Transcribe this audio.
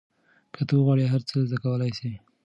که ته وغواړې هر څه زده کولای سې.